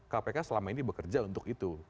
kpk selama ini bekerja untuk itu